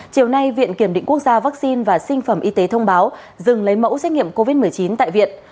chiều nay viện kiểm định quốc gia vaccine và sinh phẩm y tế thông báo dừng lấy mẫu xét nghiệm covid một mươi chín tại viện